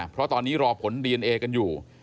เพราะตอนนี้รอผลดีเอนเอกันอยู่